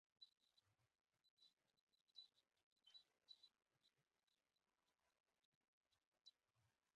La nitroglicerina fue el primer explosivo práctico con mayor potencia que la pólvora negra.